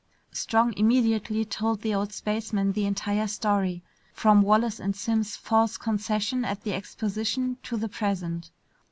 Strong immediately told the old spaceman the entire story, from Wallace and Simms' false concession at the exposition to the present.